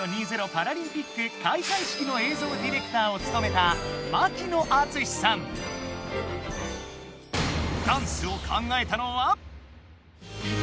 パラリンピック開会式の映像ディレクターをつとめたダンスを考えたのは。